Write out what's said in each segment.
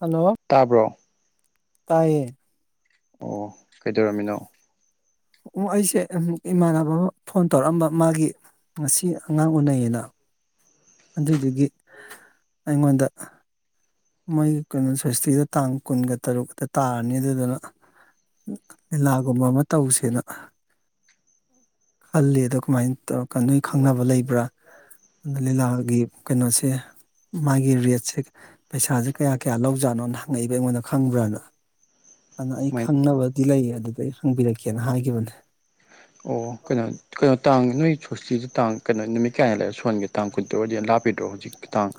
Hello ꯇꯥꯕ꯭ꯔꯣ ꯇꯥꯏꯌꯦ ꯑꯣ ꯀꯩꯗꯧꯔꯝꯃꯤꯅꯣ? ꯑꯣ ꯑꯩꯁꯦ ꯑꯝ ꯏꯃꯥꯟꯅꯕ ꯑꯃ ꯐꯣꯟ ꯇꯧꯔꯛꯑꯝꯕ ꯃꯥꯒꯤ ꯉꯁꯤ ꯑꯉꯥꯡ ꯎꯅꯩꯌꯦꯅ꯫ ꯑꯗꯨꯗꯨꯒꯤ ꯑꯩꯉꯣꯟꯗ ꯃꯣꯏꯒꯤ ꯀꯩꯅꯣ ꯁꯦꯁꯇꯤꯗꯣ ꯇꯥꯡ ꯀꯨꯟꯒ ꯇꯔꯨꯛꯇ ꯇꯥꯔꯅꯤ ꯑꯗꯨꯗꯨꯅ ꯂꯤꯂꯥꯒꯨꯝꯕ ꯑꯃ ꯇꯧꯁꯦꯅ ꯈꯜꯂꯤ ꯑꯗꯣ ꯀꯃꯥꯏ ꯇꯧꯔꯛꯀꯅꯤ ꯅꯣꯏ ꯈꯪꯅꯕ ꯂꯩꯕ꯭ꯔꯥ ꯂꯤꯂꯥꯒꯤ ꯀꯩꯅꯣꯁꯦ ꯃꯥꯒꯤ ꯔꯦꯠꯁꯦ ꯄꯩꯁꯥꯖꯦ ꯀꯌꯥ ꯀꯌꯥ ꯂꯧꯖꯥꯠꯅꯣꯅ ꯍꯪꯉꯛꯏꯕ ꯑꯩꯉꯣꯟꯗ ꯈꯪꯕ꯭ꯔꯥꯅ ꯑꯗꯣ ꯑꯩ ꯃꯥꯏ ꯈꯪꯅꯕꯗꯤ ꯂꯩꯌꯦ ꯑꯗꯨꯗ ꯑꯩ ꯍꯪꯕꯤꯔꯛꯀꯦꯅ ꯍꯥꯏꯒꯤꯕꯅꯦ꯫ ꯑꯣ ꯀꯩꯅꯣ ꯀꯩꯅꯣ ꯇꯥꯡ ꯅꯣꯏ ꯁꯣꯁꯇꯤꯁꯤ ꯇꯥꯡ ꯀꯩꯅꯣ ꯅꯨꯃꯤꯠ ꯀꯌꯥꯅꯤ ꯂꯩꯔ ꯁꯣꯟꯒꯦ? ꯇꯥꯡ ꯀꯨꯟ ꯇꯔꯨꯛ ꯑꯣꯏꯔꯗꯤ ꯌꯥꯝ ꯂꯥꯞꯄꯤꯗ꯭ꯔꯣ ꯍꯧꯖꯤꯛꯀꯤ ꯇꯥꯡ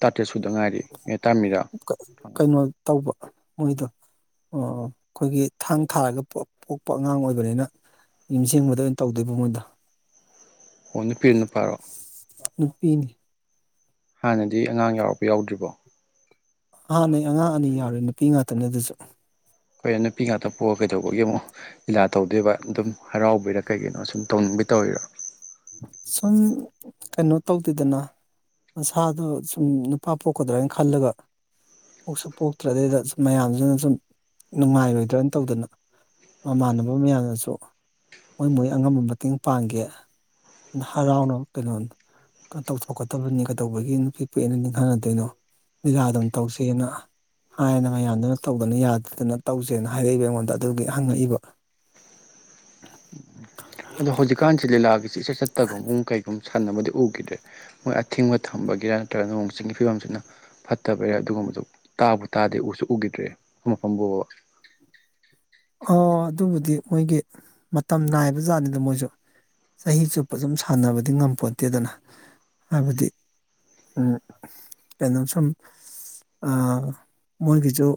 ꯇꯔꯥꯇꯔꯦꯠ ꯁꯨꯗ ꯉꯥꯏꯔꯤ ꯑꯦ ꯇꯔꯥ ꯃꯔꯤꯔꯥ [unintelligible] ꯀꯩꯅꯣ ꯇꯧꯕ ꯃꯣꯏꯗꯣ ꯑꯣ ꯑꯈꯣꯏꯒꯤ ꯊꯥꯡ ꯊꯥꯔꯒ ꯄꯣꯛꯄ ꯑꯉꯥꯡ ꯑꯣꯏꯕꯅꯤꯅ ꯌꯨꯝ ꯁꯦꯡꯕꯗ ꯑꯣꯏꯅ ꯇꯧꯗꯣꯏꯕ ꯃꯣꯏꯗꯣ ꯑꯣ ꯅꯨꯄꯤ ꯅꯨꯄꯥꯔꯣ ꯅꯨꯄꯤꯅꯤ ꯍꯥꯟꯅꯗꯤ ꯑꯉꯥꯡ ꯌꯥꯎꯔꯕꯣ ꯌꯥꯎꯗ꯭ꯔꯤꯕꯣ? ꯍꯥꯟꯅꯩ ꯑꯉꯥꯡ ꯑꯅꯤ ꯌꯥꯎꯔꯦ ꯅꯨꯄꯤ ꯉꯥꯛꯇꯅꯦ ꯑꯗꯨꯁꯨ꯫ ꯍꯣꯏ ꯅꯨꯄꯤ ꯉꯥꯛꯇ ꯄꯣꯛꯑꯒ ꯀꯩꯗꯧꯕꯒꯤ ꯑꯃꯨꯛ ꯂꯤꯂꯥ ꯇꯧꯗꯣꯏꯕ ꯑꯗꯨꯝ ꯍꯔꯥꯎꯕꯩꯔꯥ ꯀꯩꯒꯤꯅꯣ ꯁꯨꯝ ꯇꯧꯅꯤꯡꯕꯩ ꯇꯧꯔꯤꯔꯣ? ꯁꯨꯝ ꯀꯩꯅꯣ ꯇꯧꯗꯦꯗꯅ ꯃꯁꯥꯗꯣ ꯁꯨꯝ ꯅꯨꯄꯥ ꯄꯣꯛꯀꯗ꯭ꯔꯥ ꯅ ꯈꯜꯂꯒ ꯄꯣꯛꯁꯨ ꯄꯣꯛꯇ꯭ꯔꯦ ꯑꯗꯩꯗ ꯃꯌꯥꯝꯁꯤꯅ ꯁꯨꯝ ꯅꯨꯡꯉꯥꯏꯔꯣꯏꯗ꯭ꯔꯅ ꯇꯧꯗꯅ ꯃꯃꯥꯟꯅꯕ ꯃꯌꯥꯝꯅꯁꯨ ꯃꯣꯏ ꯃꯣꯏ ꯑꯉꯝꯕ ꯃꯇꯦꯡ ꯄꯥꯡꯒꯦ ꯍꯔꯥꯎꯅ ꯀꯩꯅꯣ ꯇꯧꯊꯣꯛꯀꯗꯕꯅꯤ ꯀꯩꯗꯧꯕꯒꯤ ꯅꯨꯄꯤ ꯄꯣꯛꯑꯦꯅ ꯅꯤꯡꯍꯟꯅꯗꯣꯏꯅꯣ ꯂꯤꯂꯥ ꯗꯨꯝ ꯇꯧꯁꯦꯅ ꯍꯥꯏꯅ ꯃꯌꯥꯝꯗꯨꯅ ꯇꯧꯒꯅꯨ ꯌꯥꯗꯗꯅ ꯇꯧꯁꯦꯅ ꯍꯥꯏꯔꯛꯏꯕ ꯑꯩꯉꯣꯟꯗ ꯑꯗꯨꯒꯤ ꯍꯪꯉꯛꯏꯕ ꯑꯗꯣ ꯍꯧꯖꯤꯛꯀꯥꯟꯁꯤ ꯂꯤꯂꯥꯒꯤꯁꯤ ꯏꯆꯠ ꯆꯠꯇꯒꯨꯝꯃꯨꯛ ꯀꯩꯒꯨꯝ ꯁꯥꯟꯅꯕꯗꯤ ꯎꯈꯤꯗ꯭ꯔꯦ ꯃꯣꯏ ꯑꯊꯤꯡꯕ ꯊꯝꯕꯒꯤꯔꯥ ꯅꯠꯇ꯭ꯔꯒ ꯅꯣꯡ ꯆꯤꯡꯒꯤ ꯐꯤꯕꯝꯁꯤꯅ ꯐꯠꯇꯕꯩꯔ ꯑꯗꯨꯒꯨꯝꯕꯗꯨ ꯇꯥꯕꯨ ꯇꯥꯗꯦ ꯎꯁꯨ ꯎꯈꯤꯗ꯭ꯔꯦ ꯃꯐꯝꯕꯨꯕ ꯑꯣ ꯑꯗꯨꯕꯨꯗꯤ ꯃꯣꯏꯒꯤ ꯃꯇꯝ ꯅꯥꯏꯕ ꯖꯥꯠꯅꯤꯗ ꯃꯣꯏꯖꯨ ꯆꯍꯤ ꯆꯨꯞꯄ ꯁꯨꯝ ꯁꯥꯟꯅꯕꯗꯤ ꯉꯝꯄꯣꯠꯇꯦꯗꯅ ꯍꯥꯏꯕꯗꯤ ꯎꯝ ꯀꯩꯅꯣ ꯁꯨꯝ ꯑꯥ ꯃꯣꯏꯒꯤꯖꯨ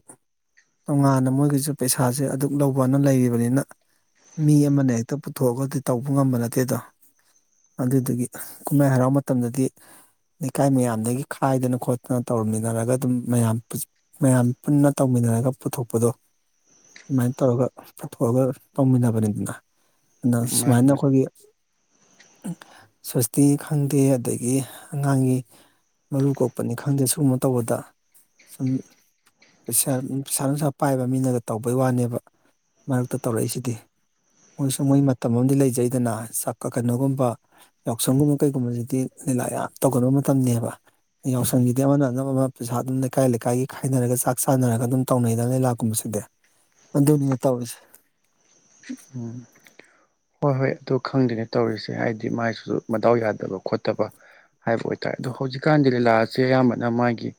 ꯇꯣꯉꯥꯟꯅ ꯃꯣꯏꯒꯤꯖꯨ ꯄꯩꯁꯥꯖꯦ ꯑꯗꯨꯛ ꯂꯧꯕꯅ ꯂꯩꯔꯤꯕꯅꯤꯅ ꯃꯤ ꯑꯃꯅ ꯍꯦꯛꯇ ꯄꯨꯊꯣꯛꯑꯒꯗꯤ ꯇꯧꯕ ꯉꯝꯕ ꯅꯠꯇꯦꯗꯣ ꯑꯗꯨꯗꯒꯤ ꯀꯨꯝꯍꯩ ꯍꯔꯥꯎ ꯃꯇꯝꯗꯗꯤ ꯂꯩꯀꯥꯏ ꯃꯌꯥꯝꯗꯒꯤ ꯈꯥꯏꯗꯅ ꯈꯣꯠꯇꯅ ꯇꯧꯔꯝꯃꯤꯟꯅꯔꯒ ꯑꯗꯨꯝ ꯃꯌꯥꯝ ꯃꯌꯥꯝ ꯄꯨꯟꯅ ꯇꯧꯃꯤꯟꯅꯔꯒ ꯄꯨꯊꯣꯛꯄꯗꯣ ꯗꯨꯃꯥꯏꯟ ꯇꯧꯔꯒ ꯄꯨꯊꯣꯛꯑꯒ ꯇꯧꯃꯤꯟꯅꯕꯅꯤꯗꯅ ꯗꯨꯅ ꯃꯥꯅꯤ ꯁꯨꯃꯥꯏꯅ ꯃꯥꯅꯤ ꯑꯈꯣꯏꯒꯤ ꯏꯪ ꯁꯣꯁꯇꯤ ꯈꯪꯗꯦ ꯑꯗꯒꯤ ꯑꯉꯥꯡꯒꯤ ꯃꯔꯨ ꯀꯣꯛꯄꯅꯤ ꯈꯪꯗꯦ ꯁꯨꯝꯕ ꯇꯧꯕꯗ ꯁꯨꯝ ꯄꯩꯁꯥ ꯄꯩꯁꯥ ꯅꯨꯡꯁꯥ ꯄꯥꯏꯕ ꯃꯤꯅꯒ ꯇꯧꯕꯩ ꯋꯥꯅꯦꯕ ꯃꯔꯛꯇ ꯇꯧꯔꯛꯏꯁꯤꯗꯤ ꯃꯣꯏꯁꯨ ꯃꯣꯏ ꯃꯇꯝ ꯑꯝꯗꯤ ꯂꯩꯖꯩꯗꯅ ꯆꯛꯀ ꯀꯩꯅꯣꯒꯨꯝꯕ ꯌꯥꯎꯁꯪꯒꯨꯝꯕ ꯀꯩꯒꯨꯝꯕꯖꯤꯗꯤ ꯂꯤꯂꯥ ꯌꯥꯝ ꯇꯧꯒꯟꯕ ꯃꯇꯝꯅꯦꯕ ꯌꯥꯎꯁꯪꯒꯤꯗꯤ ꯑꯃꯅ ꯑꯅꯝꯕ ꯑꯃ ꯄꯩꯁꯥ ꯑꯗꯨꯝ ꯂꯩꯀꯥꯏ ꯂꯩꯀꯥꯏꯒꯤ ꯈꯥꯏꯅꯔꯒ ꯆꯥꯛ ꯆꯥꯅꯔꯒ ꯑꯗꯨꯝ ꯇꯧꯅꯩꯗꯅ ꯂꯤꯂꯥ ꯀꯨꯝꯕꯁꯤꯗꯤ ꯑꯗꯨꯒꯤꯅꯦ ꯇꯧꯔꯤꯁꯦ ꯎꯝ ꯍꯣꯏ ꯍꯣꯏ ꯑꯗꯨ ꯈꯪꯗꯦꯅꯦ ꯇꯧꯔꯤꯁꯦ ꯍꯥꯏꯗꯤ ꯃꯥꯏꯁꯨ ꯃꯗꯥꯎ ꯌꯥꯗꯕ ꯈꯣꯠꯇꯕ ꯍꯥꯏꯕ ꯑꯣꯏꯇꯥ ꯑꯗꯣ ꯍꯧꯖꯤꯛꯀꯥꯟꯗꯤ ꯂꯤꯂꯥꯁꯦ ꯑꯌꯥꯝꯕꯅ ꯃꯥꯒꯤ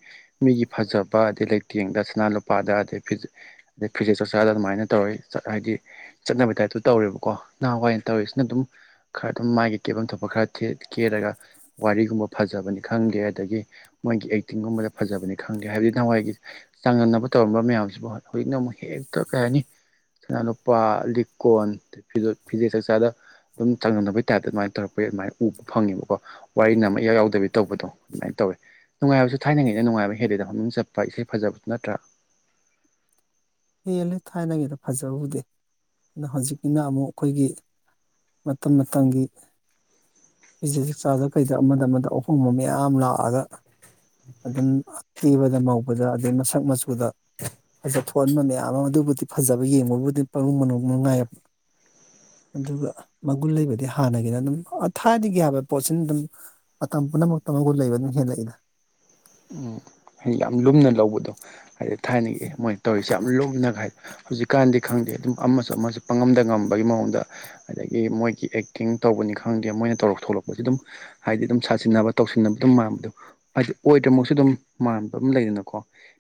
ꯃꯤꯒꯤ ꯐꯖꯕ ꯑꯗꯩ ꯂꯩꯇꯦꯡꯗ ꯁꯅꯥ ꯂꯨꯄꯥꯗ ꯑꯗꯩꯩ ꯐꯤꯖꯦ ꯑꯗꯩ ꯐꯤꯖꯦꯠ ꯆꯥꯛꯆꯥꯥꯗ ꯑꯗꯨꯃꯥꯏꯅ ꯇꯧꯔꯛꯏ ꯍꯥꯏꯗꯤ ꯆꯠꯅꯕ ꯇꯥꯏꯞꯇꯨ ꯇꯧꯔꯦꯕꯀꯣ ꯅꯍꯥꯋꯥꯏ ꯇꯧꯔꯤꯁꯤꯅ ꯗꯨꯝ ꯈꯔ ꯑꯗꯨꯝ ꯃꯥꯥꯒꯤ ꯀꯦꯕꯝ ꯊꯣꯛꯄ ꯈꯔ ꯇꯦ ꯀꯦꯔꯒ ꯋꯥꯔꯤꯒꯨꯝꯕ ꯐꯖꯕꯅꯤ ꯈꯪꯗꯦ ꯑꯗꯒꯤ ꯃꯣꯏꯒꯤ ꯑꯦꯛꯇꯤꯡꯒꯨꯝꯕꯗ ꯐꯖꯕꯅꯤ ꯈꯪꯗꯦ ꯍꯥꯏꯕꯗꯤ ꯅꯍꯋꯥꯏꯒꯤ ꯆꯥꯡꯗꯝꯅꯕ ꯇꯧꯔꯝꯕ ꯃꯌꯥꯝꯁꯤꯕꯨ ꯍꯧꯖꯤꯛꯅ ꯑꯃꯨꯛ ꯍꯦꯛꯇ ꯀꯩ ꯍꯥꯏꯅꯤ ꯁꯅꯥꯅꯨꯄꯥ ꯂꯤꯛ ꯀꯣꯟ ꯊꯤ ꯐꯤꯖꯦ ꯆꯥꯛꯆ [unintelligible] ꯗꯨꯝ ꯆꯥꯡꯗꯝꯅꯕꯩ ꯇꯥꯏꯞꯇ ꯑꯗꯨꯃꯥꯏ ꯇꯧꯔꯛꯄꯩ ꯑꯗꯨꯃꯥꯏꯅ ꯎꯕ ꯐꯪꯉꯦꯕꯀꯣ ꯋꯥꯔꯤꯅ ꯑꯃ ꯏꯌꯥꯎ ꯌꯥꯎꯗꯕꯤ ꯇꯧꯕꯗꯣ ꯑꯗꯨꯃꯥꯏ ꯇꯧꯋꯤ ꯅꯨꯡꯉꯥꯏꯕꯁꯨ ꯊꯥꯏꯅꯉꯩꯩꯅ ꯅꯨꯡꯉꯥꯏꯕ ꯍꯦꯜꯂꯤꯗ ꯃꯃꯤꯡ ꯆꯠꯄ ꯏꯁꯩ ꯐꯖꯕꯁꯨ ꯅꯠꯇ꯭ꯔꯥ ꯍꯦꯜꯂꯤ ꯊꯥꯏꯅꯒꯤꯅ ꯐꯖꯕꯕꯨꯗꯤ ꯑꯗ ꯍꯧꯖꯤꯛꯀꯤꯅ ꯑꯃꯨꯛ ꯈꯣꯏꯒꯤ ꯃꯇꯝ ꯃꯇꯝꯒꯤ ꯐꯤꯖꯦꯠ ꯆꯥꯛꯆꯥꯗ ꯀꯩꯗ ꯑꯃꯗ ꯑꯃꯗ ꯑꯍꯣꯡꯕ ꯃꯌꯥꯝ ꯂꯥꯛꯑꯒ ꯑꯗꯨꯝ ꯀꯦꯕꯗ ꯃꯧꯕꯗ ꯑꯗꯩ ꯃꯁꯛ ꯃꯆꯨꯗ ꯐꯖꯊꯣ ꯑꯣꯟꯕ ꯃꯌꯥꯝ ꯑꯃ ꯗꯨꯕꯨꯗꯤ ꯐꯖꯕ ꯌꯦꯡꯕꯕꯨꯗꯤ ꯄꯅꯨꯡ ꯃꯅꯨꯡ ꯅꯨꯡꯉꯥꯏꯕ ꯑꯗꯨꯒ ꯃꯒꯨꯟ ꯂꯩꯕꯗꯤ ꯍꯥꯟꯅꯒꯤꯅ ꯑꯗꯨꯝ ꯑꯊꯥꯏꯅꯒꯤ ꯍꯥꯢꯕ ꯄꯣꯠꯁꯤꯅ ꯗꯨꯝ ꯃꯇꯝ ꯄꯨꯝꯅꯃꯛꯇ ꯃꯒꯨꯟ ꯂꯩꯕ ꯗꯨꯝ ꯍꯦꯜꯂꯛꯏꯗ ꯎꯝ ꯌꯥꯝ ꯂꯨꯝꯅ ꯂꯧꯕꯗꯣ ꯍꯥꯏ ꯊꯥꯏꯅꯒꯤ ꯃꯣꯏ ꯇꯧꯔꯤꯁꯦ ꯌꯥꯝ ꯂꯨꯝꯅꯒ ꯍꯥꯢ ꯍꯧꯖꯤꯛꯀꯥꯟꯗꯤ ꯈꯪꯗꯦ ꯑꯗꯨꯝ ꯑꯃꯁꯨ ꯑꯃꯁꯨ꯫ ꯄꯪꯉꯝꯗ ꯉꯝꯕꯒꯤ ꯃꯑꯣꯡꯗ ꯑꯗꯒꯤ ꯃꯣꯏꯒꯤ ꯑꯦꯛꯇꯤꯡ ꯇꯧꯕꯅꯤ ꯈꯪꯗꯦ ꯃꯣꯏꯅ ꯇꯧꯔꯛ ꯊꯣꯛꯂꯛꯄꯁꯦ ꯑꯗꯨꯝ꯫ ꯍꯥꯏꯗꯤ ꯗꯨꯝ ꯁꯥꯖꯤꯟꯅꯕ ꯇꯧꯁꯤꯟꯅꯕ ꯑꯗꯨꯝ ꯃꯥꯟꯕꯗꯣ ꯍꯥꯏꯗꯤ ꯑꯣꯏꯗ꯭ꯔꯃꯛꯁꯨ ꯗꯨꯝ꯫ ꯃꯥꯟꯕ ꯑꯃ ꯂꯩꯗꯅꯀꯣ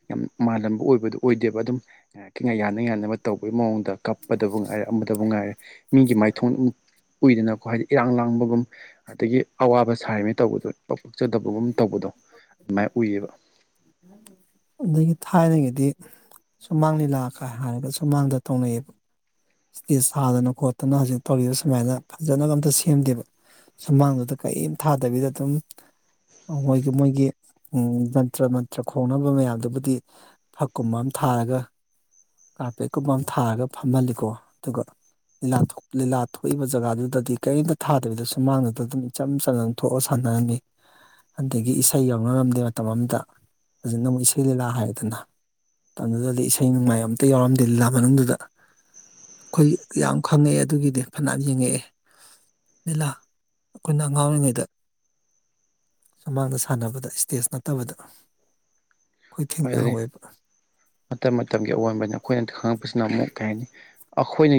ꯌꯥꯝ ꯃꯥꯜꯂꯝꯕ ꯑꯣꯏꯕꯗꯣ ꯑꯣꯏꯗꯦꯕ ꯑꯗꯨꯝ꯫ ꯉꯥꯏꯍꯥꯛꯀꯤ ꯌꯥꯅ ꯌꯥꯅꯕ ꯇꯧꯕꯒꯤ ꯃꯑꯣꯡꯗ ꯀꯞꯄꯗꯕꯨ ꯉꯥꯏꯔꯦ ꯑꯃꯗꯕꯨ ꯉꯥꯏꯔꯦ꯫ ꯃꯤꯒꯤ ꯃꯥꯏꯊꯣꯡ ꯑꯝ ꯎꯏꯗꯅꯀꯣ ꯍꯥꯏꯗꯤ ꯏꯔꯥꯡ ꯂꯥꯡꯕꯒꯨꯝ꯫ ꯑꯗꯒꯤ ꯑꯋꯥꯕ ꯁꯥꯔꯤꯃꯦ ꯇꯧꯕꯗꯣ ꯏꯄꯛ ꯄꯛꯆꯗꯕꯒꯨꯝ ꯇꯧꯕꯗꯣ ꯑꯗꯨꯃꯥꯏ ꯎꯏꯌꯦꯕ꯫ [inaudible] ꯑꯗꯒꯤ ꯊꯥꯏꯅꯒꯤꯗꯤ꯫ ꯁꯨꯃꯥꯡ ꯂꯤꯂꯥꯀ ꯍꯥꯏꯔꯒ ꯁꯨꯃꯥꯡꯗ ꯇꯧꯅꯩꯌꯦꯕ꯫ ꯁ꯭ꯇꯦꯖ ꯁꯥꯗꯅ ꯈꯣꯠꯇꯅ ꯍꯧꯖꯤꯛ ꯇꯧꯔꯤꯕ ꯁꯨꯃꯥꯏꯅ ꯐꯖꯅꯒ ꯑꯝꯇꯥ ꯁꯦꯝꯗꯦꯕ ꯁꯨꯃꯥꯡꯗꯨꯗ ꯀꯩꯝ ꯊꯥꯗꯕꯤꯗ ꯑꯗꯨꯝ ꯑꯩꯈꯣꯏꯒꯤ ꯃꯣꯏꯒꯤ ꯎꯝ ꯖꯟꯇ꯭ꯔꯥ ꯃꯟ ꯇ꯭ꯔꯥ ꯈꯣꯡꯅꯕ ꯃꯌꯥꯝꯗꯨꯕꯨꯗꯤ ꯐꯛꯀꯨꯝꯕ ꯑꯝ ꯊꯥꯔꯒ ꯀꯥꯔꯄꯦꯠꯀꯨꯝꯕ ꯑꯃ ꯊꯥꯔꯒ ꯐꯝꯍꯜꯂꯤꯀꯣ ꯑꯗꯨꯒ ꯂꯤꯂꯥ ꯊꯣꯛ ꯂꯤꯂꯥ ꯊꯣꯛꯏꯕ ꯖꯒꯥꯗꯨꯗꯗꯤ ꯀꯩꯝꯇ ꯊꯥꯗꯕꯤꯗ ꯁꯨꯃꯥꯡꯗꯨꯗ ꯑꯗꯨꯝ ꯏꯆꯝ ꯆꯝꯅ ꯊꯣꯛꯑ ꯁꯥꯟꯅꯔꯝꯃꯤ ꯑꯗꯒꯤ ꯏꯁꯩ ꯌꯥꯎꯅꯔꯝꯗꯦ ꯃꯇꯝ ꯑꯝꯗ ꯍꯧꯖꯤꯛꯅ ꯑꯃꯨꯛ ꯏꯁꯩ ꯂꯤꯂꯥ ꯍꯥꯏꯗꯅ ꯃꯇꯝꯗꯨꯗꯗꯤ ꯏꯁꯩ ꯅꯣꯡꯃꯥꯏ ꯑꯝꯇ ꯌꯥꯎꯔꯝꯗꯦ ꯂꯤꯂꯥ ꯃꯅꯨꯡꯗꯨꯗ ꯑꯩꯈꯣꯏ ꯌꯥꯝ ꯈꯪꯉꯛꯑꯦ ꯑꯗꯨꯒꯤꯗꯤ ꯐꯅꯥꯌꯥꯝ ꯌꯦꯡꯉꯛꯑꯦ ꯂꯤꯂꯥ ꯑꯩꯈꯣꯏꯅ ꯑꯉꯥꯡ ꯑꯣꯢꯔꯤꯉꯩꯗ ꯁꯨꯃꯥꯡꯗ ꯁꯥꯟꯅꯕꯗ ꯏꯁꯇꯦꯖ ꯅꯠꯇꯕꯗ ꯑꯩꯈꯣꯏ ꯍꯣꯏ ꯑꯗꯨꯅꯤ ꯊꯦꯡꯅꯍꯧꯋꯦꯕ ꯃꯇꯝ ꯃꯇꯝꯒꯤ ꯑꯑꯣꯟꯕꯅꯦ ꯑꯩꯈꯣꯏꯅ ꯈꯪꯉꯛꯄꯁꯤꯅ ꯑꯃꯨꯛ ꯀꯩ ꯍꯥꯏꯅꯤ ꯑꯩꯈꯣꯏꯅ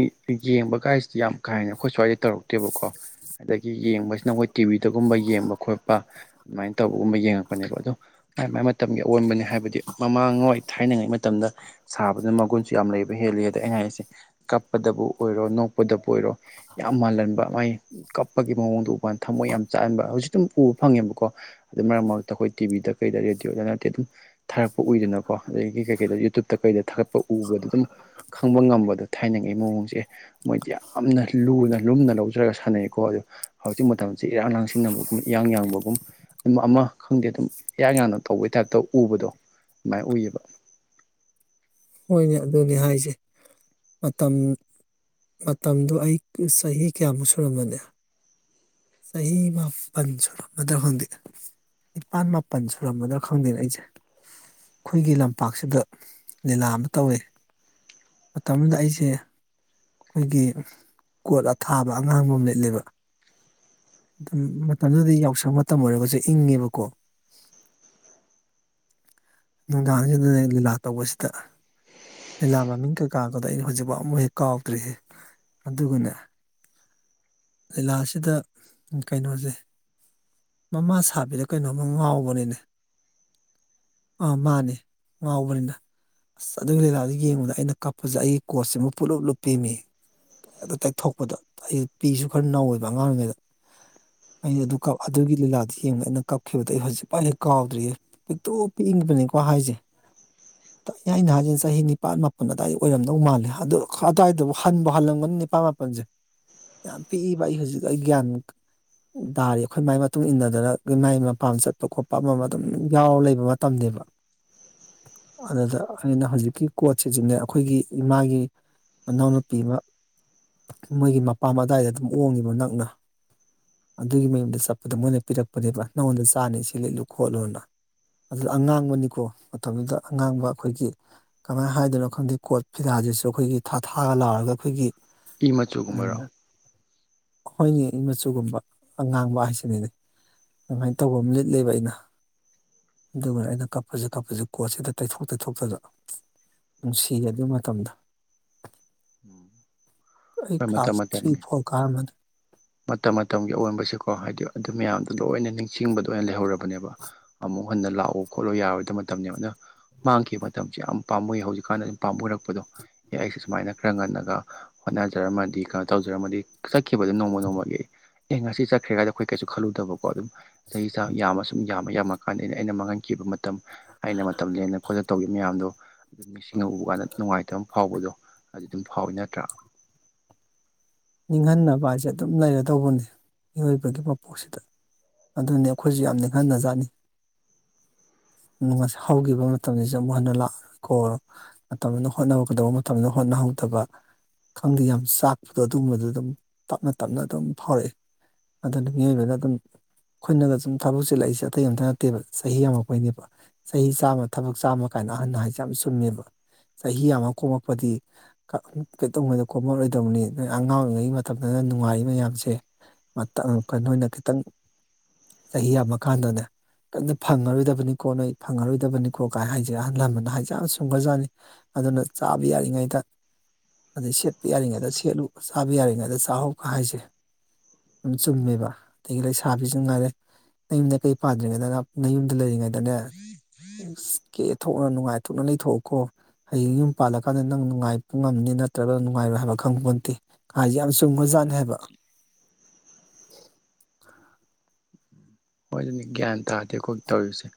ꯌꯦꯡꯕꯒꯥꯏꯁꯤꯗꯤ ꯌꯥꯝ ꯀꯥ ꯍꯦꯟꯅ ꯑꯩꯈꯣꯏ ꯁ꯭ꯋꯥꯏ ꯇꯧꯔꯛꯇꯦꯕꯀꯣ ꯑꯗꯒꯤ ꯌꯦꯡꯕꯁꯤꯅ ꯑꯩꯈꯣꯏ ꯇꯤꯚꯤꯗꯒꯨꯝꯕ ꯌꯦꯡꯕ ꯈꯣꯠꯄ ꯑꯗꯨꯃꯥꯏꯟ ꯇꯧꯕꯒꯨꯝꯕ ꯌꯦꯡꯉꯛꯄꯅꯦꯕ ꯑꯗꯨꯝ ꯃꯥꯏ ꯃꯥꯏ ꯃꯇꯝꯒꯤ ꯑꯑꯣꯟꯕꯅꯦ ꯍꯥꯏꯕ ꯃꯃꯥꯡꯉꯣꯏ ꯊꯥꯏꯅꯉꯩ ꯃꯇꯝꯗ ꯁꯥꯕꯗꯨꯅ ꯃꯒꯨꯟꯁꯨ ꯌꯥꯝ ꯂꯩꯕ ꯍꯦꯜꯂꯤ ꯑꯗ ꯑꯩꯅ ꯍꯥꯏꯁꯦ ꯀꯞꯄꯗꯕꯨ ꯑꯣꯏꯔꯣ ꯅꯣꯛꯄꯗꯕꯨ ꯑꯣꯏꯔꯣ ꯌꯥꯝ ꯃꯥꯜꯍꯟꯕ ꯃꯥꯏ ꯀꯞꯄꯒꯤ ꯃꯑꯣꯡꯗꯣ ꯎꯕ ꯀꯥꯟꯗ ꯊꯝꯃꯣꯏ ꯌꯥꯝ ꯆꯥꯛꯍꯟꯕ ꯍꯧꯖꯤꯛꯁꯨ ꯗꯨꯝ ꯎꯕ ꯐꯪꯉꯦꯕꯀꯣ ꯑꯗꯨ ꯃꯔꯛ ꯃꯔꯛꯇ ꯑꯩꯈꯣꯏ ꯇꯤꯚꯤꯗ ꯀꯩꯗ ꯔꯦꯗꯤꯑꯣꯗ ꯅꯠꯇꯦ ꯑꯗꯨꯝ ꯊꯥꯔꯛꯄ ꯎꯏꯗꯅꯀꯣ ꯑꯗꯒꯤ ꯀꯩꯀꯩꯗ ꯌꯨꯇꯨꯨꯞꯇ ꯀꯩꯗ ꯊꯥꯒꯠꯄ ꯎꯕꯗ ꯑꯗꯨꯝ ꯈꯪꯕ ꯉꯝꯕꯗꯣ ꯊꯥꯏꯅꯉꯩ ꯃꯑꯣꯡꯁꯦ ꯃꯣꯏꯗꯤ ꯌꯥꯝꯅ ꯂꯨꯅ ꯂꯨꯝꯅ ꯂꯧꯖꯔꯥ ꯁꯥꯟꯅꯩꯀꯣ ꯑꯗꯨ ꯍꯧꯖꯤꯛ ꯃꯇꯝꯁꯤ ꯏꯔꯥꯡ ꯂꯥꯡꯁꯤꯟꯅꯕꯒꯨꯝ ꯏꯌꯥꯡ ꯌꯥꯡꯕꯒꯨꯝ ꯑꯗꯨꯝ ꯑꯃ ꯈꯪꯗꯦ ꯑꯗꯨꯝ ꯏꯌꯥꯡ ꯌꯥꯡꯅ ꯇꯧꯕꯩ ꯇꯥꯏꯞꯇ ꯎꯕꯗꯣ ꯃꯥꯏ ꯎꯏꯕ ꯍꯣꯏꯅꯦ ꯑꯗꯨꯅꯤ ꯍꯥꯏꯁꯦ ꯃꯇꯝ ꯃꯇꯝꯗꯨ ꯑꯩ ꯆꯍꯤ ꯀꯌꯥꯃꯨꯛ ꯁꯨꯔꯝꯃꯅꯤ ꯆꯍꯤ ꯃꯥꯄꯟ ꯁꯨꯔꯝꯃꯗ꯭ꯔꯥ ꯈꯪꯗꯦ ꯅꯤꯄꯥꯟ ꯃꯥꯄꯟ ꯁꯨꯔꯝꯒꯗ꯭ꯔꯥ ꯈꯪꯗꯦꯅꯦ ꯑꯩꯖꯦ ꯑꯩꯈꯣꯏꯒꯤ ꯂꯝꯄꯥꯛꯁꯤꯗ ꯂꯤꯂꯥ ꯑꯃ ꯇꯧꯋꯦ ꯃꯇꯝꯗꯨꯗ ꯑꯩꯁꯦ ꯑꯩꯈꯣꯏꯒꯤ ꯀꯣꯠ ꯑꯊꯥꯕ ꯑꯉꯥꯡꯕ ꯑꯃ ꯂꯤꯠꯂꯦꯕ ꯗꯨꯝ ꯃꯇꯝꯗꯨꯗꯗꯤ ꯌꯥꯎꯁꯪ ꯃꯇꯝ ꯑꯣꯏꯔꯒꯁꯨ ꯏꯪꯉꯦꯕꯀꯣ ꯅꯨꯡꯗꯥꯡꯁꯤꯗꯅꯦ ꯂꯤꯂꯥ ꯇꯧꯕꯁꯤꯗ ꯂꯤꯂꯥ ꯃꯃꯤꯡ ꯀꯩꯀꯥꯒꯗꯣ ꯑꯩꯅ ꯍꯧꯖꯤꯛꯐꯥꯎ ꯑꯃꯨꯛ ꯍꯦꯛ ꯀꯥꯎꯗ꯭ꯔꯤꯍꯦ ꯑꯗꯨꯒꯅꯦ ꯂꯤꯂꯥꯁꯤꯗ ꯀꯩꯅꯣꯖꯦ ꯃꯃꯥ ꯁꯥꯕꯤꯔꯥ ꯀꯩꯅꯣꯝꯃ ꯉꯥꯎꯕꯅꯤꯅꯦ ꯑꯥ ꯃꯥꯅꯦ ꯉꯥꯎꯕꯅꯤꯗ ꯑꯁ ꯑꯗꯨꯏ ꯂꯤꯂꯥꯗꯣ ꯌꯦꯡꯕꯗ ꯑꯩꯅ ꯀꯞꯄꯖꯦ ꯑꯩꯒꯤ ꯀꯣꯠꯁꯤꯃꯨꯛ ꯄꯨꯡꯂꯨꯞ ꯂꯨꯞꯄꯦꯃꯤ ꯑꯗꯨ ꯇꯩꯊꯣꯛꯄꯗ ꯑꯩ ꯄꯤꯁꯨ ꯈꯔ ꯅꯧꯋꯦꯕ ꯑꯉꯥꯡ ꯑꯣꯏꯔꯤꯉꯩꯗ ꯑꯩꯅ ꯑꯗꯨ ꯀꯞ ꯑꯗꯨꯒꯤ ꯂꯤꯂꯥꯗꯨ ꯌꯦꯡꯕꯗ ꯑꯩꯅ ꯀꯞꯈꯤꯕꯗꯣ ꯑꯩ ꯍꯧꯖꯤꯛꯄꯧ ꯍꯦꯛ ꯀꯥꯎꯗ꯭ꯔꯤꯍꯦ ꯄꯤꯛꯇ꯭ꯔꯨ ꯄꯤꯛꯏꯉꯩꯗꯅꯤꯀꯣ ꯍꯥꯏꯖꯦ ꯑꯩꯅ ꯍꯥꯏꯖꯤ ꯆꯍꯤ ꯅꯤꯄꯥꯟ ꯃꯥꯄꯟ ꯑꯗꯥꯏ ꯑꯣꯏꯔꯝꯗꯧ ꯃꯥꯜꯂꯦ ꯑꯗꯨ ꯑꯗ꯭ꯋꯥꯏꯗꯕꯨ ꯍꯟꯕꯨ ꯍꯜꯂꯝꯒꯅꯤ ꯅꯤꯄꯥꯟ ꯃꯥꯄꯟꯖꯦ ꯌꯥꯝ ꯄꯤꯛꯏꯕ ꯑꯩ ꯍꯧꯖꯤꯛ ꯑꯩ ꯒ꯭ꯌꯥꯟ ꯇꯥꯔꯤ ꯑꯩꯈꯣꯏ ꯃꯥꯏ ꯃꯇꯨꯡ ꯏꯟꯅꯗꯅ ꯃꯥꯏ ꯃꯄꯥꯝ ꯆꯠꯄ ꯈꯣꯠꯄ ꯑꯃ ꯑꯃ ꯑꯗꯨꯝ ꯌꯥꯎꯔ ꯂꯩꯕ ꯃꯇꯝꯅꯦꯕ ꯑꯗꯨꯗ ꯑꯩꯅ ꯍꯧꯖꯤꯛꯀꯤ ꯀꯣꯠꯁꯤꯁꯨꯅꯦ ꯑꯈꯣꯏꯒꯤ ꯏꯃꯥꯒꯤ ꯃꯅꯥꯎꯅꯨꯄꯤ ꯑꯃ ꯃꯣꯏꯒꯤ ꯃꯄꯥꯝ ꯑꯗꯥꯏꯗ ꯑꯗꯨꯝ ꯑꯣꯡꯉꯤꯕ ꯅꯛꯅ ꯑꯗꯨꯒꯤ ꯃꯌꯨꯝꯗ ꯆꯠꯄꯗ ꯃꯣꯏꯅ ꯄꯤꯔꯛꯄꯅꯦꯕ ꯅꯉꯣꯟꯗ ꯆꯥꯅꯤ ꯁꯤ ꯂꯤꯠꯂꯨ ꯈꯣꯠꯂꯨꯅ ꯑꯗꯨꯗ ꯑꯉꯥꯡꯕꯅꯤꯀꯣ ꯃꯇꯝꯗꯨꯗ ꯑꯉꯥꯡꯕ ꯑꯩꯈꯣꯏꯒꯤ ꯀꯃꯥꯏ ꯍꯥꯏꯗꯣꯏꯅꯣ ꯈꯪꯗꯦ ꯀꯣꯠ ꯐꯤꯗꯥꯁꯤꯁꯨ ꯑꯩꯈꯣꯏꯒꯤ ꯊꯥ ꯊꯥꯒ ꯂꯥꯎꯔꯒ ꯑꯩꯈꯣꯏꯒꯤ ꯏ ꯃꯆꯨꯒꯨꯝꯕꯔꯣ ꯍꯣꯏꯅꯦ ꯏ ꯃꯆꯨꯒꯨꯝꯕ ꯑꯉꯥꯡꯕ ꯍꯥꯏꯁꯤꯅꯤꯅꯦ ꯑꯗꯨꯃꯥꯏꯅ ꯇꯧꯕ ꯑꯃ ꯂꯤꯠꯂꯦꯕ ꯑꯩꯅ ꯑꯗꯨꯒ ꯑꯩꯅ ꯀꯞꯄꯁꯤ ꯀꯞꯄꯁꯤ ꯀꯣꯠꯁꯤꯗ ꯇꯩꯊꯣꯛ ꯇꯩꯊꯣꯛꯇꯅ ꯅꯨꯡꯁꯤꯌꯦ ꯑꯗꯨ ꯃꯇꯝꯗꯣ ꯎꯝ꯫ ꯑꯩ ꯀ꯭ꯂꯥꯁ ꯊ꯭ꯔꯤ ꯐꯣꯔ ꯀꯥꯔꯝꯃꯅꯤ ꯃꯇꯝ ꯃꯇꯝꯒꯤ ꯑꯑꯣꯟꯕꯁꯤꯀꯣ ꯍꯥꯏꯗꯤ ꯑꯗꯨ ꯃꯌꯥꯝꯗꯣ ꯂꯣꯏꯅ ꯅꯤꯡꯁꯤꯡꯕꯗꯣ ꯑꯣꯏꯅ ꯂꯩꯍꯧꯔ ꯅꯦꯕ ꯑꯃꯨꯛ ꯍꯟꯅ ꯂꯥꯛꯑꯣ ꯈꯣꯠꯂꯣ ꯌꯥꯔꯣꯏꯗꯕ ꯃꯇꯝꯅꯦ ꯑꯗꯨꯅ ꯃꯥꯡꯈꯤꯕ ꯃꯇꯝꯁꯦ ꯌꯥꯝ ꯄꯥꯝꯃꯨꯏ ꯍꯧꯖꯤꯛꯀꯥꯟꯅ ꯍꯦꯟꯅ ꯄꯥꯝꯃꯨꯔꯛꯄꯗꯣ ꯑꯦ ꯑꯩꯁꯦ ꯁꯨꯃꯥꯏꯅ ꯈꯔ ꯉꯟꯅꯒ ꯍꯣꯠꯅꯖꯔꯝꯃꯗꯤ ꯀꯩꯅꯣ ꯇꯧꯖꯔꯝꯃꯗꯤ ꯆꯠꯈꯤꯕꯗꯣ ꯅꯣꯡꯃ ꯅꯣꯡꯃ ꯃꯒꯤ ꯑꯦ ꯉꯁꯤ ꯆꯠꯈ꯭ꯔꯦꯒꯗꫭ ꯑꯩꯈꯣꯏ ꯀꯩꯁꯨ ꯈꯜꯂꯨꯗꯕꯀꯣ ꯑꯗꯨꯝ ꯆꯍꯤ ꯆꯥ ꯌꯥꯝꯃ ꯁꯨꯝ ꯌꯥꯝꯃ ꯌꯥꯝꯃ ꯀꯥꯟꯗ ꯑꯩꯅ ꯑꯩꯅ ꯃꯥꯡꯍꯟꯈꯤꯕ ꯃꯇꯝ ꯑꯩꯅ ꯃꯇꯝ ꯂꯦꯟ ꯈꯣꯠꯇꯅ ꯇꯧꯈꯤꯕ ꯃꯌꯥꯝꯗꯣ ꯑꯗꯨ ꯅꯤꯡꯁꯤꯡ ꯃꯤꯠꯅ ꯎꯕ ꯀꯥꯟꯗ ꯅꯨꯡꯉꯥꯏꯇꯕ ꯐꯥꯎꯕꯗꯣ ꯑꯗꯨ ꯑꯗꯨꯝ ꯐꯥꯎꯋꯤ ꯅꯠꯇ꯭ꯔꯥ ꯅꯤꯡꯍꯟꯅꯕ ꯍꯥꯏꯁꯦ ꯑꯗꯨꯝ ꯂꯩꯔꯗꯧꯕꯅꯤ ꯃꯤꯑꯣꯏꯕꯒꯤ ꯃꯄꯣꯛꯁꯤꯗ ꯑꯗꯨꯅꯤ ꯑꯩꯈꯣꯏꯁꯨ ꯌꯥꯝ ꯅꯤꯡꯍꯟꯅ ꯖꯥꯠꯅꯤ ꯍꯧꯈꯤꯕ ꯃꯇꯝꯁꯤꯁꯨ ꯑꯃꯨꯛ ꯍꯟꯅ ꯂꯥꯛꯑꯣꯏꯀꯣ ꯃꯇꯝꯗꯨꯅ ꯍꯣꯠꯅꯍꯧꯒꯗꯧꯕ ꯃꯇꯝꯗꯨꯗ ꯍꯣꯠꯅꯍꯧꯗꯕ ꯈꯪꯗꯦ ꯌꯥꯝ ꯆꯥꯛꯄꯗꯣ ꯑꯗꯨꯒꯨꯝꯕꯗꯣ ꯑꯗꯨꯝ ꯇꯞꯅ ꯇꯞꯅ ꯑꯗꯨꯝ ꯐꯥꯎꯔꯛꯏ ꯑꯗꯨꯅꯤ ꯃꯤꯑꯣꯏꯕꯅ ꯑꯗꯨꯝ ꯑꯩꯈꯣꯏꯅꯒ ꯁꯨꯝ ꯊꯕꯛ ꯆꯤꯂꯛꯏꯁꯦ ꯑꯇꯩ ꯑꯝꯇ ꯅꯠꯇꯦꯕ ꯆꯍꯤ ꯌꯥꯝꯃꯛꯄꯩꯅꯦꯕ ꯆꯍꯤ ꯆꯥꯝꯃ ꯊꯕꯛ ꯆꯥꯝꯃ ꯀꯥꯏꯅ ꯑꯍꯥꯟ ꯍꯥꯏꯁꯦ ꯌꯥꯝ ꯆꯨꯝꯃꯦꯕ ꯆꯍꯤ ꯑꯃ ꯀꯣꯝꯃꯛꯄꯗꯤ ꯀꯩꯗꯧꯉꯩꯗ ꯀꯣꯝꯃꯛꯑꯔꯣꯏꯗꯕꯅꯤ ꯅꯣꯏ ꯑꯉꯥꯡ ꯑꯣꯏꯔꯤꯉꯩ ꯃꯇꯝꯗꯅ ꯅꯨꯡꯉꯥꯏꯔꯤ ꯃꯌꯥꯝꯁꯦ ꯃꯇꯪ ꯅꯣꯏꯅ ꯈꯤꯇꯪ ꯆꯍꯤ ꯌꯥꯝꯃ ꯀꯥꯟꯗꯅꯦ ꯀꯟꯅ ꯐꯪꯉꯔꯣꯏꯗꯕꯅꯤ ꯀꯣ ꯅꯣꯏ ꯐꯪꯉꯔꯣꯏꯗꯕꯅꯤꯀꯣ ꯀꯥꯏ ꯍꯥꯏꯁꯦ ꯑꯍꯥꯟ ꯂꯃꯟꯅ ꯍꯥꯏꯁꯦ ꯌꯥꯝ ꯆꯨꯝꯈꯔꯖꯥꯠꯅꯤ ꯑꯗꯨꯅ ꯆꯥꯕ ꯌꯥꯔꯤꯉꯩꯗ ꯑꯗꯩ ꯁꯦꯠꯄ ꯌꯥꯔꯤꯉꯩꯗ ꯁꯦꯠꯂꯨ ꯆꯥꯕ ꯌꯥꯔꯤꯉꯩꯗ ꯆꯥꯍꯧ ꯀꯥꯏ ꯍꯥꯏꯁꯦ ꯑꯗꯨꯝ ꯆꯨꯝꯃꯦꯕ ꯑꯗꯩꯒꯤ ꯂꯩꯁꯥꯕꯤꯁꯨ ꯉꯥꯏꯔꯦ ꯅꯌꯨꯝ ꯅꯀꯩ ꯄꯥꯟꯗ꯭ꯔꯤꯉꯩꯗ ꯅꯥꯞ ꯅꯌꯨꯝꯗ ꯂꯩꯔꯤꯉꯩꯗꯅꯦ ꯑꯁ ꯀꯦꯊꯣꯛꯅ ꯅꯨꯡꯉꯥꯏꯊꯣꯛꯅ ꯂꯩꯊꯣꯛꯑꯣꯀꯣ ꯍꯌꯦꯡ ꯌꯨꯝ ꯄꯥꯜꯂꯀꯥꯟꯗ ꯅꯪ ꯅꯨꯡꯉꯥꯏꯕ ꯉꯝꯅꯤ ꯅꯠꯇ꯭ꯔꯥꯒꯅ ꯅꯨꯡꯉꯥꯏꯔꯣꯏ ꯍꯥꯏꯕ ꯈꯪꯄꫭꯟꯇꯦ ꯍꯥꯏꯁꯦ ꯌꯥꯝ ꯆꯨꯝ ꯈꯔꯥ ꯖꯥꯠꯅꯤ ꯍꯥꯏꯕ ꯍꯣꯏ ꯑꯗꯨꯅꯤ ꯒ꯭ꯌꯥꯟ ꯇꯥꯗꯦ ꯑꯩꯈꯣꯏ ꯇꯧꯔꯤꯁꯦ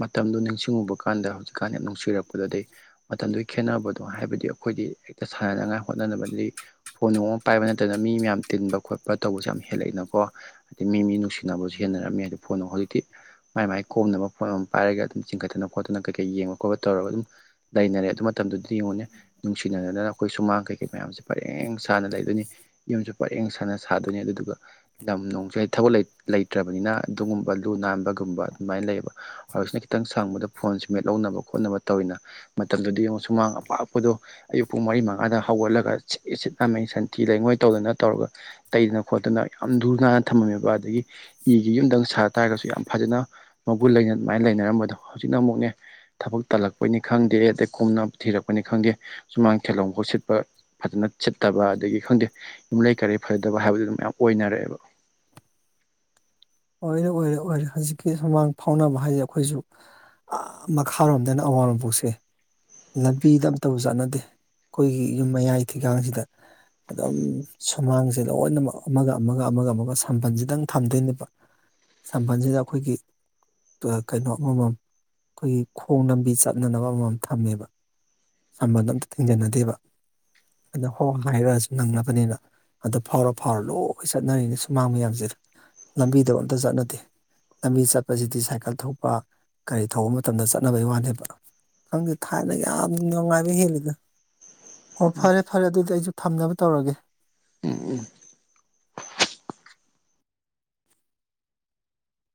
ꯃꯇꯝꯗꯨ ꯅꯤꯡꯁꯤꯡꯉꯨꯕ ꯀꯥꯟꯗ ꯍꯧꯖꯤꯛꯀꯥꯟ ꯌꯥꯝ ꯅꯨꯡꯁꯤꯔꯛꯄꯗꫭ ꯑꯗꯩ ꯃꯇꯝꯗꯨꯒꯤ ꯈꯦꯠꯅꯕꯗꯣ ꯍꯥꯏꯕꯗꯤ ꯑꯩꯈꯣꯏꯗꯤ ꯍꯦꯛꯇ ꯁꯥꯟꯅꯅꯉꯥꯏ ꯍꯣꯠꯅꯅꯕꯗꯒꯤ ꯐꯣꯟ ꯅꯨꯡ ꯑꯃ ꯄꯥꯏꯕ ꯅꯠꯇꯅ ꯃꯤ ꯃꯌꯥꯝ ꯇꯤꯟꯕ ꯈꯣꯠꯄ ꯇꯧꯕꯁꯨ ꯌꯥꯝ ꯍꯦꯜꯂꯛꯑꯏꯅꯀꯣ ꯍꯥꯏꯗꯤ ꯃꯤ ꯃꯤ ꯅꯨꯡꯁꯤꯅꯕꯁꯨ ꯍꯦꯟꯅꯔꯝꯃꯦ ꯍꯥꯏ ꯐꯣꯟꯅ ꯍꯧꯖꯤꯛꯇꯤ ꯃꯥꯏ ꯃꯥꯏ ꯀꯣꯝꯅꯕ ꯐꫭꯟ ꯑꯃ ꯑꯃ ꯄꯥꯏꯔꯒ ꯑꯗꯨꯝ ꯆꯤꯡꯈꯠꯇꯅ ꯈꯣꯠꯇꯅ ꯀꯩ ꯀꯩ ꯌꯦꯡꯕ ꯈꯣꯠꯄ ꯇꯧꯔꯒ ꯑꯗꯨꯝ ꯂꯩꯅꯔꯦ ꯑꯗꯨ ꯃꯇꯝꯗꯨꯗꯤ ꯌꯦꯡꯉꯨꯅꯦ ꯅꯨꯡꯁꯤꯅꯗꯅ ꯑꯩꯈꯣꯏ ꯁꯨꯃꯥꯡ ꯀꯩꯀꯩ ꯃꯌꯥꯝꯁꯦ ꯄꯔꯦꯡ ꯁꯥꯅ ꯂꯩꯗꯣꯏꯅꯤ ꯌꯨꯝꯁꯨ ꯄꯔꯦꯡ ꯁꯥꯥꯟꯅ ꯁꯥꯗꯣꯏꯅꯤ ꯑꯗꯨꯗꯨꯒ ꯂꯝ ꯅꯨꯡꯁꯨ ꯍꯦꯛ ꯊꯕꯛ ꯂꯩ ꯂꯩꯇ꯭ꯔꯕꯅꯤꯅ ꯑꯗꯨꯒꯨꯝꯕ ꯂꯨ ꯅꯥꯟꯕꯒꯨꯝꯕ ꯑꯗꯨꯃꯥꯏꯟ ꯂꯩꯌꯦꯕ ꯍꯧꯖꯤꯛꯁꯤꯅ ꯈꯤꯇꯪ ꯁꯪꯕꯗ ꯐꯣꯟꯁꯤ ꯃꯦꯠ ꯍꯧꯅꯕ ꯈꯣꯠꯅꯕ ꯇꯧꯋꯤꯅ ꯃꯇꯝꯗꯨꯗꯤ ꯌꯦꯡꯉꯨ ꯁꯨꯃꯥꯡ ꯑꯄꯥꯛꯄꯗꯣ ꯑꯌꯨꯛ ꯄꯨꯡ ꯃꯔꯤ ꯃꯉꯥꯗ ꯍꯧꯒꯠꯂꯒ ꯁꯤꯠ ꯁꯤꯠ ꯅꯥꯟꯃꯩ ꯁꯟꯊꯤ ꯂꯩꯉꯣꯏ ꯇꯧꯗꯅ ꯇꯧꯔꯒ ꯇꯩꯗꯅ ꯈꯣꯠꯇꯅ ꯌꯥꯝ ꯂꯨ ꯅꯥꯟꯅ ꯊꯝꯂꯝꯃꯦꯕ ꯑꯗꯒꯤ ꯌꯨꯝꯗꯪ ꯁꯥ ꯇꯥꯔꯒꯁꯨ ꯌꯥꯝ ꯐꯖꯅ ꯃꯒꯨꯟ ꯂꯩꯅ ꯑꯗꯨꯃꯥꯏꯅ ꯂꯩꯅꯔꯝꯕꯗꯣ ꯍꯧꯖꯤꯛꯅ ꯑꯃꯨꯛꯅꯦ ꯊꯕꯛ ꯇꯜꯂꯛꯄꯩꯅꯤ ꯈꯪꯗꯦ ꯑꯗꯩ ꯀꯨꯝꯅꯞ ꯊꯤꯔꯛꯄꯅꯤ ꯈꯪꯗꯦ ꯁꯨꯃꯥꯡ ꯊꯦꯂꯣꯡꯐꯥꯎ ꯁꯤꯠꯄ ꯐꯖꯅ ꯁꯤꯠꯇꯕ ꯑꯗꯒꯤ ꯈꯪꯗꯦ ꯌꯨꯝꯂꯩ ꯀꯔꯩ ꯐꯖꯗꯕ ꯍꯥꯏꯕꯗꯨ ꯃꯌꯥꯝ ꯑꯣꯏꯅꯔꯛꯑꯦꯕ ꯑꯣꯏꯔꯦ ꯑꯣꯏꯔꯦ ꯑꯣꯏꯔꯦ ꯍꯧꯖꯤꯛꯀꯤ ꯁꯨꯃꯥꯡ ꯐꯥꯎꯅꯕ ꯍꯥꯏꯖꯦ ꯑꯩꯈꯣꯏꯖꯨ ꯑꯥ ꯃꯈꯥꯔꯣꯝꯗꯅ ꯑꯋꯥꯡ ꯅꯣꯡꯄꯣꯛꯁꯦ ꯂꯝꯕꯤꯗ ꯑꯝꯇꯕꯨ ꯆꯠꯅꯗꯦ ꯑꯩꯈꯣꯏꯒꯤ ꯌꯨꯝ ꯃꯌꯥꯏ ꯊꯤꯒꯥꯡꯁꯤꯗ ꯑꯗꯨꯝ ꯁꯨꯃꯥꯡꯖꯦ ꯂꯣꯏꯅꯃꯛ ꯑꯃꯒ ꯑꯃꯒ ꯑꯃꯒ ꯑꯃꯒ ꯁꯥꯝꯕꯜꯖꯤꯗꯪ ꯊꯝꯗꯣꯏꯅꯦꯕ ꯁꯝꯕꯜꯖꯤꯗ ꯑꯩꯈꯣꯏꯒꯤ ꯇꯨꯋꯥ ꯀꯩꯅꯣ ꯑꯃꯃꯝ ꯑꯩꯈꯣꯏꯒꯤ ꯈꯣꯡ ꯂꯝꯕꯤ ꯆꯠꯅꯅꯕ ꯑꯃꯃꯝ ꯊꯝꯃꯦꯕ ꯁꯝꯕꯜ ꯑꯝꯇ ꯊꯤꯡꯖꯟꯅꯗꯦꯕ ꯑꯗꯥ ꯍꯣ ꯍꯥꯏꯔꯑꯁꯨ ꯅꯪꯅꯕꯅꯤꯅ ꯑꯗꯨ ꯐꯥꯎꯔ ꯐꯥꯎꯔ ꯂꯣꯏ ꯆꯠꯅꯔꯤꯅꯤ ꯁꯨꯃꯥꯡ ꯃꯌꯥꯝꯖꯦ ꯂꯝꯕꯤꯗꯕꯨ ꯑꯝꯇ ꯆꯠꯅꯗꯦ ꯂꯝꯕꯤ ꯆꯠꯄꯖꯤꯗꯤ ꯁꯥꯏꯀꯜ ꯊꯧꯄ ꯒꯥꯔꯤ ꯊꯧꯕ ꯃꯇꯝꯗ ꯆꯠꯅꯕꯩ ꯋꯥꯅꯦꯕ ꯈꯪꯗꯦ ꯊꯥꯏꯅꯒ ꯌꯥꯝ ꯎꯝ ꯅꯨꯡꯉꯥꯏꯕ ꯍꯦꯜꯂꯤꯗ ꯍꯣ ꯐꯔꯦ ꯐꯔꯦ ꯑꯗꯨꯗꯤ ꯑꯩꯖꯨ ꯊꯝꯅꯕ ꯇꯧꯔꯒꯦ